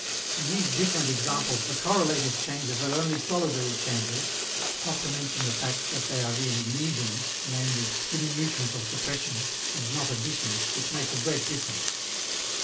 In these different examples the "correlative" changes are only solidary changes (not to mention the fact that they are really lesions, namely, diminutions or suppressions, and not additions, which makes a great difference).